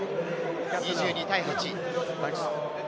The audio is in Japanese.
２２対８。